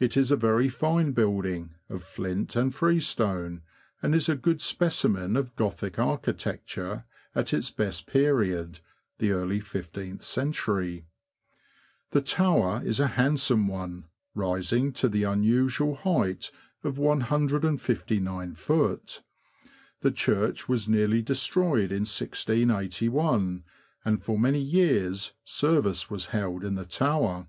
It is a very fine building, of flint and freestone, and is a good specimen of Gothic architecture at its best period (the early fifteenth century). The tower is a handsome one, rising to the unusual height of 159ft. The church was nearly destroyed in 1681, and for many years service was held in the tower.